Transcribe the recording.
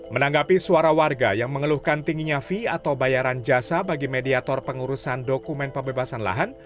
menanggapi suara warga yang mengeluhkan tingginya fee atau bayaran jasa bagi mediator pengurusan dokumen pembebasan lahan